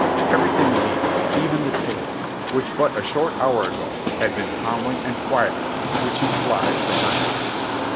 Everything v;as eaten, even the tail, which but a short hour ago had been calmly and quietly switching flies from her back.